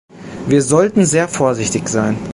Wir sollten sehr vorsichtig sein.